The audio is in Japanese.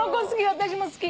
私も好き。